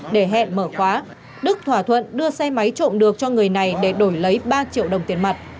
để hẹn mở khóa đức thỏa thuận đưa xe máy trộm được cho người này để đổi lấy ba triệu đồng tiền mặt